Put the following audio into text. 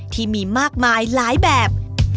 ที่มีมากมายหลายแบบ